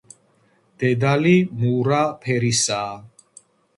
დედალი მურა ფერისაა.